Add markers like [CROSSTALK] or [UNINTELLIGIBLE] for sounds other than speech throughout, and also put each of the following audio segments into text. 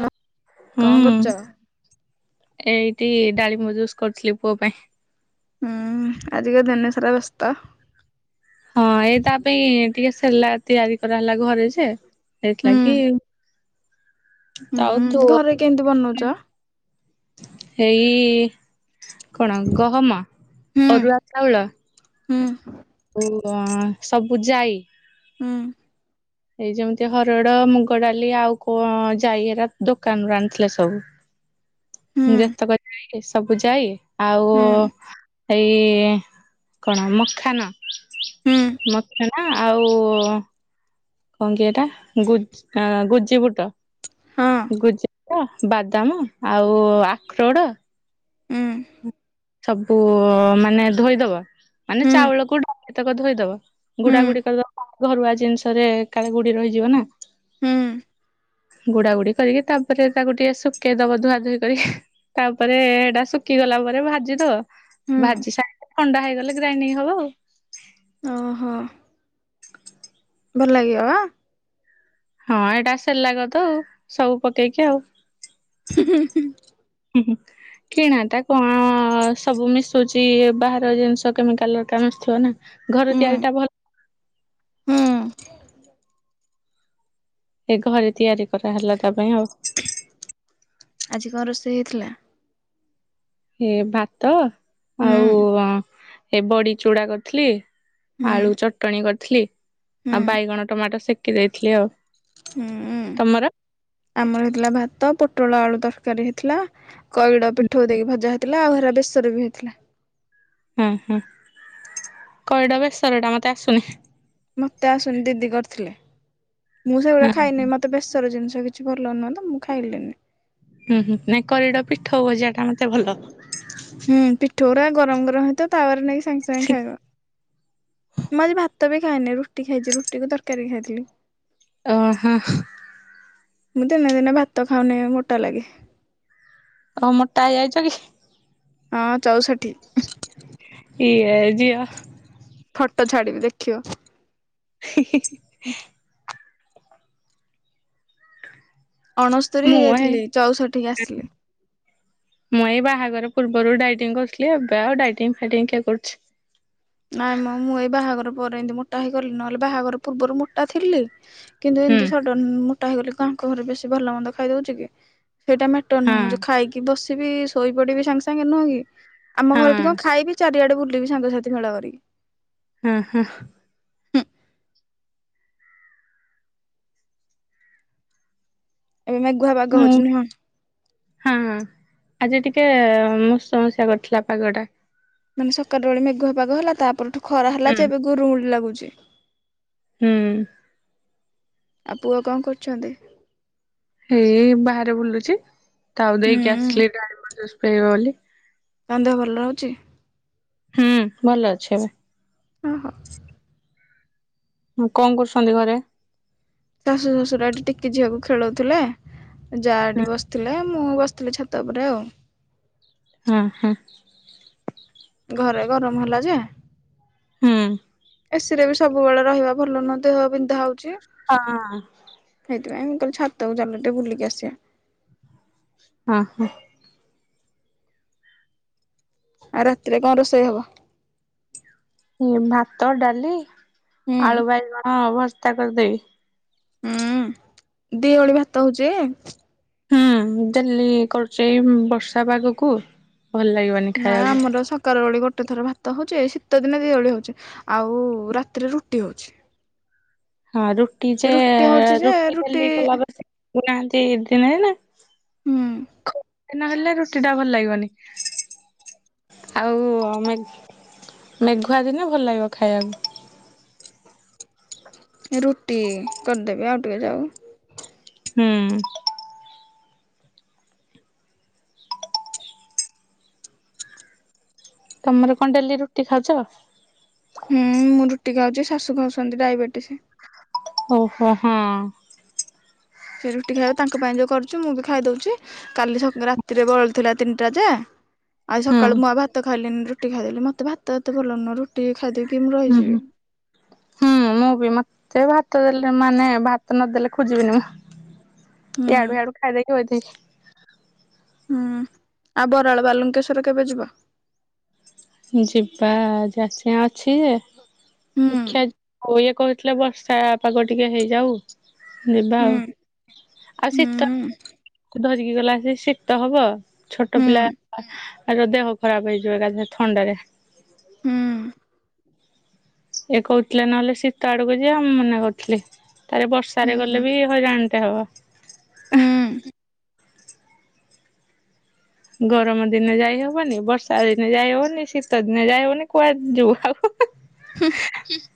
ହଁ ହୁଁ। କଣ କରୁଛ? ଏଇଠି ଡାଳିମ୍ବ ଜୁସ୍ କରୁଥିଲି ପୁଅ ପାଇଁ। ହୁଁ ଆଜିିକ ଦିନସରା ବ୍ୟସ୍ଥ। ହଁ ଏଇ ତା ପାଇଁ ଟିକେ ସେରଲାକ୍ ତିଆରି କରାହେଲା ଘରେ ଯେ ହୁଁ ଏଥିଲାଗୀ ତାଉ ଧ ହୁଁ ଘରେ କେମିତି ବନଉଛ? ଏଇ କଣ ଗହମ ହୁଁ ଅରୁଆ ଚାଉଳ ହୁଁ। ଓ ର ସବୁ ଯାଇ ହୁଁ। ଏଇ ଯେମିତି ହରଡ଼ ମୁଗ ଡାଲି ଆଉ କଣ ଯାଇ ଏରା ଦୋକାନ ରୁ ଆଣିଥିଲେ ସବୁ। ହୁଁ ଯେତକ ଯାଇ ସବୁ ଯାଇ ଆଉ ହୁଁ ଏଇ କଣ ମଖାନ ହୁଁ ମଖାନା ଆଉ କଣ କି ଏଟା ଗୁଜ୍ ଗୁଜିିବୁଟ ହଁ ଗୁଜି ଟ ବାଦାମ ଆଉ ଆଖରୋଡ଼ ଉଁ ସବୁ ମାନେ ଧୋଇଦବା ମାନେ ହୁଁ ଚାଉଳକୁ ଡା ତକ ଧୋଇଦବ ହୁଁ ଗୁଡା ଗୁଡି କରିଦ ଘରୁଆ ଜିନିଷରେ କାଳେ ଗୁଡି ରହିଯିବ ନା। ହୁଁ। ଗୁଡା ଗୁଡି କରିକି ତାପରେ ତାକୁ ଟିକେ ଶୁକେଇ ଦବ ଧୁଆ ଧୁଇ କରି। ତାପରେ ହେଟା ଶୁକିଗଲା ପରେ ଭା ଜି ଦବ ହୁଁ ଭାଜି ସାଇଲେ ଥଣ୍ଡା ହେଇଗଲେ ଗ୍ରାଇଣ୍ଡିଂ ହବ ଆଉ। ଓହୋ। ଭଲ ଲାଗିବ ବା। ହଁ ଏଇଟା ସେରଲାଗ ତ ଆଉ ସବୁ ପକେଇକି ଆଉ। ହୁଁ ହୁଁ ହୁଁ। ହୁଁ ହୁଁ। କିଣାଟା କଁ ସବୁ ମିଶୁଛି ବାହାର ଜିନିଷ କେମିକାଲ ଘରିକା ମିଶୁଥିବ ନା। ଘର ହୁଁ ତିଆରିଟା ଭଲ୍। ହୁଁ। ଏ ଘରେ ତିଆରି କରାହେଲା ତା ପାଇଁ ଆଉ। ଆଜି କଁ ରୋଷେଇ ହେଇଥିଲା। ଏ ଭାତ ହୁଁ ଆଉ ଅଁ ଏ ବଡି ଚୁଡା କରିଥିଲି। ହୁଁ ଆଳୁ ଚଟଣି କରିଥିଲି ହୁଁ ଆଉ ବାଇଗଣ ଟମାଟୋ ସେକି ଦେଇଥିଲି ଆଉ। ହୁଁ ତମର ଆମର ହେଇଥିଲା ଭାତ ପୋଟଳ ଆଳୁ ତରକାରୀ ହେଇଥିଲା। କରିଡ ପିଠଉ ଦେଇକି ଭଜା ହେଇଥିଲା ଆଉ ହେରା ବେସରରେ ବି ହେଇଥିଲା। ଉଁ ହୁଁ କରିଡ ବେସରଟା ମତେ ଆସୁନି। ମତେ ଆସୁନି ଦିଦି କରିଥିଲେ ମୁଁ ହଁ ସେଗୁରା ଖାଇନି ମତେ ବେସର ଜିନିଷ କି ଛି ଭଲ ନୁହଁ ମୁଁ ଖାଇଲିନି। ହୁଁ ହୁଁ ନାଇଁ କରିଡ ପିଠଉ ଭଜାଟା ମତେ ଭଲ। ହୁଁ ପିଠଉ ଗୁରା ଗରମ ଗରମ ହେଇଥିବ ତାୱାରୁ ନେଇକି ସାଙ୍ଗେ ସାଙ୍ଗେ ଖାଇବ ମୁଁ ଆଜି ଭା ତ ବି ଖାଇନି ରୁଟି ଖାଇଛି ରୁଟିକୁ ତରକାରୀ ଖାଇଥିଲି। ଓହୋ। ମୁଁ ଦିନେ ଦିନେ ଭାତ ଖାଉନି ମୋଟା ଲାଗି। ତମେ ମୋଟା ହେଇଯାଉଛ କି। ହଁ ଚଉଷଠି। ଇଏ ଝିଅ। ଫଟୋ ଛାଡିବି ଦେଖିବ। ହି ହି ହି। ଅଣସ୍ତୁରୀ ମୁଁ ଏ ହେଇଯାଇଥିଲି ଚଉଷଠିିକି ଆସିଲି। ମୁଁ ଏଇ ବାହାଘର ପୂର୍ବରୁ ଡାଇଟିଂ କରୁଥିଲି ଏବେ ଆଉ ଡାଇଟିଂ ଫାଇଟିଂ କିଏ କରୁଛି। ନାଇଁ ମ ମୁଁ ଏଇ ବାହାଘର ପରେ ଇନ୍ତି ମୋଟା ହେଇଗଲି ନହେଲେ ବାହାଘର ପୂର୍ବରୁ ମୋଟା ଥିଲି। କିନ୍ତୁ ହୁଁ ଇନ୍ତି ସଡନ୍ ମୋଟା ହେଇଗଲି କଁ ଆଙ୍କ ଘରେ ବେଶୀ ଭଲ ମନ୍ଦ ଖାଇ ଦଉଛି କି। ସେଇଟା ମେଟର ହଁ ନୁହଁ ମୁଁ ଯୋଉ ଖାଇକି ବସିବି ଶୋଇପଡିବି ସାଙ୍ଗେ ସାଙ୍ଗେ ନୁହଁ କି ଆମ ହଁ ଘରଠି ମୁଁ ଖାଇବି ଚାରିଆଡେ ବୁଲିବି ସାଙ୍ଗସାଥି ମେଳ କରିକି ହୁଁ ହୁଁ। ହୁଁ ଏବେ ମେଘୁଆ ପାଗ ମୁଁ ହଉଚି, ନୁହଁ? ହଁ ହୁଁ ଆଜି ଟିକେ ମୁସୁ ମୁସିଆ କରିଥିଲା ପାଗଟା। ମାନେ ସକାଳୁ ବେଳେ ମେଘୁଆ ପାଗ ହେଲା ତାପରେଠୁଁ ଖରା ହୁଁ ହେଲା ଯେ ଏବେ ଗୁରୁ ଗୁଳି ଲାଗୁଛି ହୁଁ। ଆଉ ପୁଅ କଣ କରୁଛନ୍ତି? ହେଇଇ ବାହାରେ ବୁଲୁଛି ତାକୁ ଦେଇକି ହୁଁ ଆସିଲି ଡାଳିମ୍ବ ଯୁସ୍ ପିଇବ ବୋଲି ତାଙ୍କ ଦେହ ଭଲ ରହୁଛି? ହୁଁ ଭଲ ଅଛି ଏବେ। ଓଃ ହୁଁ କଣ କରୁସନ୍ତି ଘରେ ଶାଶୁ ଶ୍ୱଶୁର ଏଠି ଟିକି ଝିଅକୁ ଖେଳଉଥିଲେ ଯା ହୁଁ ଏଠି ବସି ଥିଲେ ମୁଁ ବସିଥିଲି ଛାତ ଉପରେ ଆଉ। ହୁଁ ହୁଁ। ଘରେ ଗରମ ହେଲା ଯେ ହୁଁ। ଏସିରେ ବି ସବୁବେଳେ ରହିବା ଭଲ ନୁହଁ ଦେହ ବିନ୍ଧା ହଉଛି। ହଁ। ସେଥିପାଇଁ ମୁଁ କହିଲି ଛାତକୁ ଚାଲଟେ ବୁଲିକି ଆସିବା। ହଁ ହଁ। ଆଉ ରାତିରେ କଣ ରୋଷେଇ ହବ? ଭାତ ଡାଲି ହୁଁ ଆଳୁ ବାଇଗଣ ଭର୍ତା କରିଦେବି ହୁଁ ଦି ଓଳି ଭାତ ହଉଚି ହୁଁ ଡେଲି କରୁଚି ବର୍ଷା ପାଗକୁ ଭଲ ଲାଗିବନି! ନା ଖାଇବାକୁ। ଆମର ସ କାର ଓଳି ଗୋଟେ ଥର ଭାତ ହଉଚି ଏଇ ଶୀତ ଦିନେ ଦି ଓଳି ହଉଚି ଆଉ ରାତିରେ ରୁଟି ହଉଚି। ହଁ ରୁଟି ଯେ ରୁଟି ହଉଛି ଯେ ରୁଟି ଡେଲି କଲା ବରସେ ଦଉନାହାନ୍ତି ଦିନେ ଦିନେ ହୁଁ ନହେଲେ ରୁଟି ଟା ଭଲ ଲାଗିବନି। ଆଉ ମେ ମେଘୁଆ ଦିନେ ଭଲ ଲାଗିବ ଖାଇବାକୁ! ରୁଟି କରିଦେବି ଆଉ ଟିକେ ଯାଉ। ହୁଁ। ତମର କଣ ଡେଲି ରୁଟି ଖାଉଛ? ହୁଁ, ମୁଁ ରୁଟି ଖାଉଛି। ଶାଶୁ ଖାଉଛନ୍ତି ଡାଇବେଟିସ ଓହୋ, ହଁ! ସେ ରୁଟି ଖାଇବେ ତାଙ୍କ ପାଇଁ ଯଉ କରୁଛି ମୁଁ ବି ଖାଇଦଉଛି। କାଲି ଶ ରାତିରେ ବଳିଥିଲା ତିନିଟା ଯେ ଆଜି ହୁଁ ସକାଳୁ ମୁଁ ଆଉ ଭାତ ଖାଇଲିନି ରୁଟି ଖାଇଦେଲି ମତେ ଭାତ ଏତେ ଭଲ ନୁହଁ ରୁଟି ଖାଇଦବି। ହୁଁ ହୁଁ। ହୁଁ, ମୁଁ ବି ମତେ ଭାତ ଦେଲେ ମାନେ ଭାତ ନଦେଲେ ଖୋଜିବିନି ମୁଁ! [INAUDIBLE] ଇଆଡୁ ହିଆଡୁ ଖାଇଦେଇକିି ବଇଚି ହୁଁ ଆଉ ବରାଳ ବାଲୁଙ୍କେଶ୍ଵର କେବେ ଯିବ? ଯିବା ଆଜି ଆସିବା ଅଛି ଯେ ହୁଁ ଦେଖିଆ ଯୋଉ ଇଏ କହିଥିଲେ ବର୍ଷା ପାଗ ଟିକେ ହେଇଯାଉ ଯିବା ହୁଁ ଆଉ ଆଉ ହୁଁ ଶୀତ ଧରିକି ଗଲା ମାନେ ଯଉ ସେ ଶୀତ ହବ, ଛୋଟ ହୁଁ ପିଲା ଆଗ ଦେହ ଖରାପ ହେଇଯିବ ଏକାଥରକେ ଥଣ୍ଡାରେ। ହୁଁ। ଇଏ କହୁଥିଲେ ନହେଲେ ଶୀତ ଆଡକୁ ଯିଆ ମୁଁ ମନା କରୁଥିଲି ତାପରେ ବର୍ଷାରେ ହୁଁ ଗଲେ ବି ହଇରାଣଟେ ହବ। ହୁଁ ଗରମ ଦିନେ ଯାଇ ହବନି ବର୍ଷା ଦିନେ ଯାଇ ହବନି ଶୀତ ଦିନେ ଯାଇ ହବନି କୁଆଡେ ଯିବୁ ହାଉ ହୁ ହୁ। [UNINTELLIGIBLE]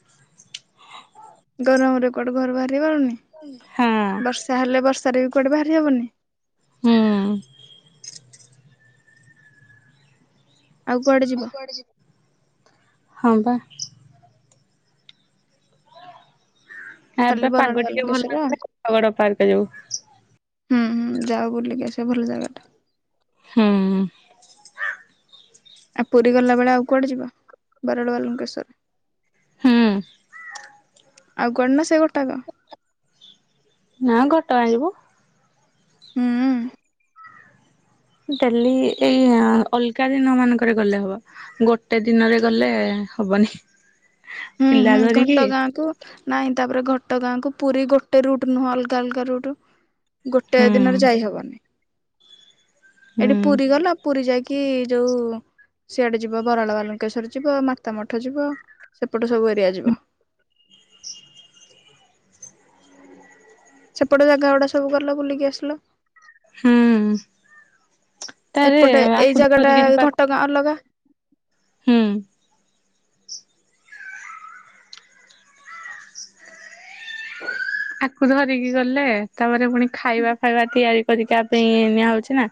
ଗରମରେ କୁଆଡୁ ଘରୁ ବାହାରି ହଉନି। ହଁ। ତାହେଲେ ବର୍ଷାରେ ବି କୁଆଡେ ବାହାରି ହବନି। ହୁଁ। ଆଉ କୁଆଡେ ଯିବୁ ହଁ ପା। ନା ଖାଲି ଏବେ ବରାଳ ପାଗ ଟିକେ ଭଲ ବାଲୁଙ୍କେଶ୍ୱର [INAUDIBLE] ପାଗୋଡା ପାର୍କ ଯିବୁ। ହୁଁ ହୁଁ ଯାଅ ବୁଲିକି ଆସିବ ଭଲ ଜାଗାଟା। ହୁଁ। ଆଉ ପୁରୀ ଗଲାବେଳେ ଆଉ କୁଆଡେ ଯିବ ବରାଳ ବାଲୁଙ୍କେଶ୍ୱର। ହୁଁ। ଆଉ କୁଆଡେ ନା ସେଇ ଗୋଟାକ? ନା ଘଟଗାଁ ଯିବୁ। ହୁଁଉଁ। ଡେଲି ଏଇ ଆ ଅଲଗା ଦିନ ମାନଙ୍କରେ ଗଲେ ହବ। ଗୋଟେ ଦିନରେ ଗଲେ ହବନି। ହୁଁ ପିଲା ହୁଁ ଧରିକି ଘଟଗାଁକୁୁ ନାଇଁ ତାପରେ ଘଟଗାଁକୁ ପୁରୀ ଗୋଟେ ରୁଟ ନୁହଁ ଅଲଗା ଅଲଗା ରୁଟ। ଗୋଟେ ହୁଁ ଦିନରେ ଯାଇହବନି ହୁଁ ଏଠି ପୁରୀ ଗଲ ପୁରୀ ଯାଇକି ଯୋଉ ସିଆଡ଼େ ଯିବ ବରାଳ ବାଲୁକେଶ୍ୱର ଯିବ ମାତାମଠ ଯିବ। ସେପଟ ସବୁ ଏରିଆ ଯିବ। ସେପଟେ ଜାଗାଗୁଡା ସବୁ ଗଲ ବୁଲିକି ଆସିଲ। ହୁଁ ତାରେ ଏପଟେ ଏଇ ଆକୁ ଜାଗାଟା ଧରିକି ଯିବାକୁ ଘଟଗାଁ ଅଲଗା। ହୁଁ। ଆକୁ ଧରିକି ଗଲେ ତାପରେ ପୁଣି ଖାଇବା ଫାଇବା ତିଆରି କରି କା ପାଇଁ ନିଆ ହୋଉଚି ନା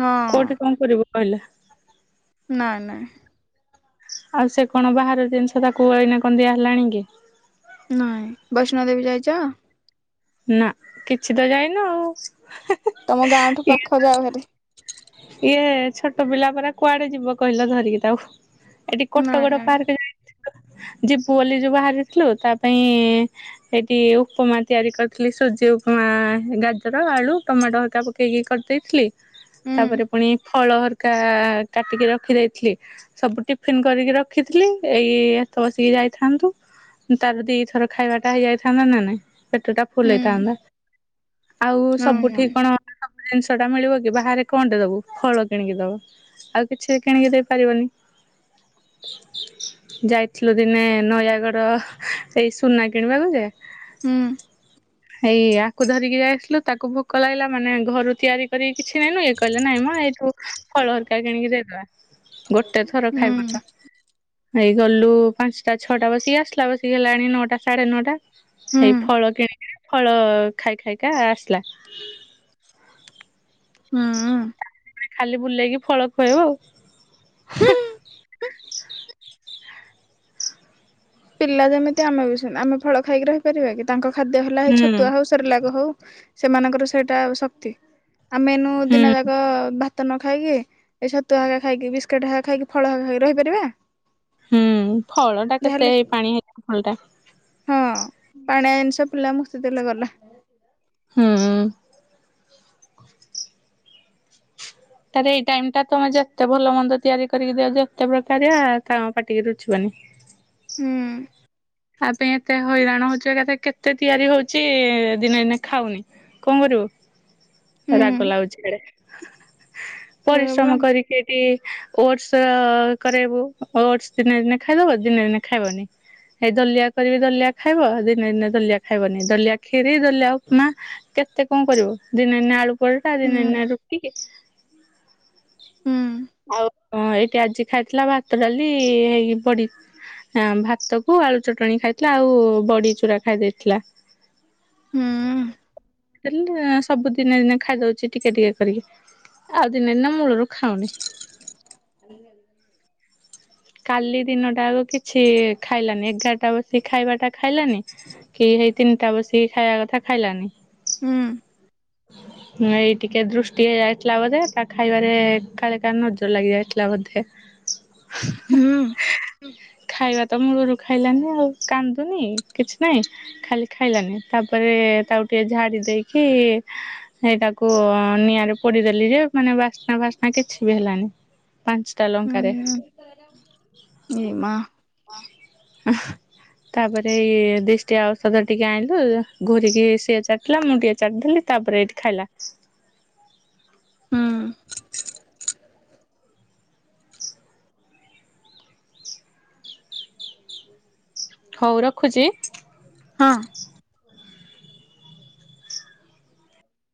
ହଁ କୋଉଠି କଣ କରିବୁ କହିଲେ। ନା ନା। ଆଉ ସେ କଣ ବାହାର ଜିନିଷ ତାକୁ ଏଇନା କଣ ଦିଆ ହେଲାଣି କି। ନାଇଁ ବୈଷ୍ଣ ଦେବୀ ଯାଇଚ? ନା କିଛି ତ ଯାଇନ ଆଉ। ତମ ଗାଁଠୁ ପା ଇଏ ଖ ଜାଅ ଭାରି। ଇଏ ଛୋଟ ପିଲା ପରା କୁଆଡେ ଯିବ କହିଲ ଧରିକି ତାକୁ। ଏଠି କଟକ ନାଇଁ ଗୋଟେ ନାଇଁ ପାର୍କ [INAUDIBLE] ଯିବୁ ବୋଲି ଯୋଉ ବାହାରିଥିଲୁ ତା ପାଇଁ ସେଠି ଉପମା ତିଆରି କରିଥିଲି ସୁଜି ଉପମା ଗାଜର ଆଳୁ ଟମାଟୋ ହରକା ପ କେ କି କରିଦେଇଥିଲି। ହୁଁ ତାପରେ ପୁଣି ଫଳ ହରିକା କାଟିକି ରଖିଦେଇଥିଲି। ସବୁ ଟିଫିିନ କରିକି ରଖିଥିଲି ଏଇ ଭାତ ବସେଇକି ଯାଇଥାନ୍ତୁ ତାର ଦିଥର ଖାଇବାଟା ହେଇଯାଇଥାନ୍ତା ନା ନାଇଁ ପେଟଟା ଫୁଲ ହେଇଥାନ୍ତା। ଆଉ ହୁଁ ସବୁଠି କଣ ସବୁ ଜିନିଷଟା ମିଳିବ କି ବାହାରେ କଣଟେ ଦୋବୁ ଫଳ କିଣିକି ଦୋବୁ ଆଉ କିଛି କିଣିକି ଦେଇପାରିବନି। ଯାଇଥିଲୁ ଦିନେ ନୟାଗଡ ଏଇ ସୁନା କିଣିବାକୁ ଯେ ହୁଁ ହୁଁ ହେଇ ଆକୁ ଧରିକି ଯାଇଥିଲୁ ତାକୁ ଭୋକ ଲାଗିଲା ମାନେ ଘରୁ ତିଆରି କରିକି କିଛି ନେଇନୁ ଏଇ କହିଲେ ନାଇଁ ମ ଏଇଠୁ ଫଳ ହରିକା କିଣିକି ଦେଇଦବା ଗୋଟେ ଥର ହୁଁ ଖାଇବ ତ ନେଇଗଲୁ ପାଞ୍ଚଟା ଛଅଟା ବସିକି ଆସଲା ବସିକି ହେଲାଣି ନଅଟା ସାଢେ ନଅଟା ହୁଁ ସେଇ ଫଳ କିଣିକିରି ଫଳ ଖାଇ ଖାଇକା ଆସିଲା। ହୁଁଉଁ। ଖାଲି ବୁଲେଇକି ଫଳ ଖୁଆଇବ ଆଉ। ହୁଁ। ପିଲା ଯେମିତି ଆମେ ବି ସେମ୍ ଆମେ ଫଳ ଖାଇକି ରହିପାରିବା କି ତାଙ୍କ ଖାଦ୍ୟ ହେଲା ହେଇ ହୁଁ ଛତୁଆ ହୋଉ ସେର୍ଲାକ ହୋଉ ସେମାନଙ୍କର ସେଇଟା ଶକ୍ତି ଆମେ ନୁ ଦିନ ହୁଁ ଯାକ ଭାତ୍ ତ ନ ଖାଇକି ଏ ଛତୁଆ ଏକା ଖାଇକି ବିସ୍କିଟ ହେକା ଖାଇକି ଫଳ ହେ ଖାଇକି ରହିପାରିବା। ହୁଁ ଫଳଟା କେତେ ଯାହାହେଲେ ଏଇ ପାଣି ହେଇ ଫଳଟା। ହଁ ପାଣିଆ ଜିନଷ ପିଲା ମୁତି ଦେଲେ ଗଲା। ହୁଁଉଁ। ତାରେ ଏଇ ଟାଇମଟା ତମେ ଯେତେ ଭଲ ମନ୍ଦ ତିଆରି କରିକି ଦିଅ ଯେତେ ପ୍ରକାରଆ ତାଙ୍କ ପାଟିକି ରୁଚିବନି। ହୁଁ। ତା ପାଇଁ ଏତେ ହଇରାଣ ହୋଉଚି ଏକାଥରେ କେତେ ତିଆରି ହୋଉଚି ଦିନେ ଦିନେ ଖାଉନି। କଣ କରିବୁ ହୁଁ ରାଗ ଲାଗୁଚି ହେଡେ ସେଇଆ ପରା ପରିଶ୍ରମ କରି ସେଇଠି ଓଟସ କରେଇବୁ ଓଟସ ଦିନେ ଦିନେ ଖାଇଦବ ଦିନେ ଦିନେ ଖାଇବନି। ହେଇ ଦଲିଆ କରିବି ଦଲିଆ ଖାଇବ ହେଇ ଦିନେ ଦିନେ ଦଲିଆ ଖାଇବନି ଦଲିଆ ଖିରି, ଦଲିଆ, ଉପମା କେତେ କଣ କରିବ, ଦିନେ ଦିନେ ଆଳୁ ପରଟା ହୁଁ ଦିନେ ଦିନେ ରୁ ଟି କେ ହୁଁ ଆଉ ହଁ ଏଇଠି ଆଜି ଖାଇଥିଲା ଭାତ ଡାଲି, ହେଇକି ବଡି ଆଁ, ଭାତ କୁ ଆଳୁ ଚଟଣି ଖାଇଥିଲା ଆଉ ବଡି ଚୁରା ଖାଇ ଦେଇଥିଲା। ହୁଁ ଦେଲେ ସବୁ ଦିନେ ଦିନେ ଖାଇଦଉଛି ଟିକେ ଟିକେ କରିକି, ଆଉ ଦିନେ ଦିନେ ମୁୂଳରୁ ଖାଉନି। [INAUDIBLE] କାଲି ଦିନଟା ଯାକ କିଛି ଖାଇଲାନି, ଏଗାର ଟା ବସିକ ଖାଇବା ଟା ଖାଇଲାନି, କି ହେଇ ତିନିଟା ବସିକି ଖାଇବା କଥା ଖାଇଲାନି। ହୁଁ। ନାଇ ଟିକେ ଦୃଷ୍ଟି ହେଇ ଯାଇଥିଲା ବୋଧେ, ତା ଖାଇବାରେ କାଳେ କା ନଜର ଲାଗି ଯାଇଥିଲା ବୋଧେ। ହୁସ ହୁଁ। ଖାଇବା ତ ମୁଳୁରୁ ଖାଇଲାନି ଆଉ, କାନ୍ଦୁନି କିଛି ନାଇଁ। ଖାଲି ଖାଇଲାନି, ତାପରେ ତାକୁ ଟିକେ ଝାଡି ଦେଇକି ସେଇଟାକୁ ନିଆଁରେ ପଡିଦେଲି ଯେ ମାନେ ବା ସ୍ନା ଫାସ୍ନା କିଛି ବି ହେଲାନି ପାଞ୍ଚଟା ହୁଁ ଲଙ୍କାରେ। ଏ ମା। ଉମ ତାପରେ ଏଇ ଦିଷ୍ଟିଆ ଔଷଧ ଟିକେ ଆଣିଲୁ, ଘୋରିକି ସିଏ ଚାଟିଲା ମୁଁ ଟିକେ ଚାଟିଦେଲି। ତାପରେ ଏଠି ଖାଇଲା। ଉଁ, ହଉ ରଖୁଛି। ହଁ।